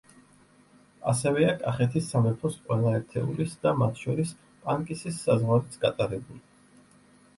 ასევეა კახეთის სამეფოს ყველა ერთეულის და, მათ შორის, პანკისის საზღვარიც გატარებული.